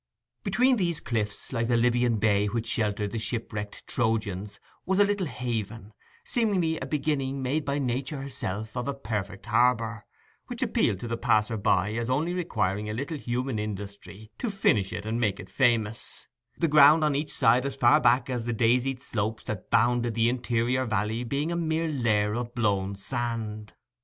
Between these cliffs, like the Libyan bay which sheltered the shipwrecked Trojans, was a little haven, seemingly a beginning made by Nature herself of a perfect harbour, which appealed to the passer by as only requiring a little human industry to finish it and make it famous, the ground on each side as far back as the daisied slopes that bounded the interior valley being a mere layer of blown sand.